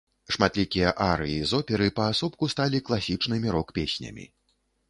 Шматлікія арыі з оперы паасобку сталі класічнымі рок-песнямі.